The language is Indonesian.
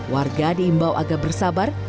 warga diimbau agak bersabar